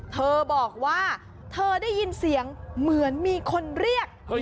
เธอบอกว่าเธอได้ยินเสียงเหมือนมีคนเรียก